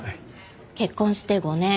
結婚して５年。